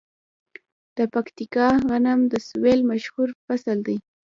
د پکتیکا غنم د سویل مشهور فصل دی.